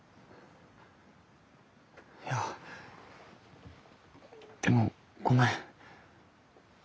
いやでもごめん。